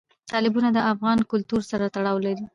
تالابونه د افغان کلتور سره تړاو لري.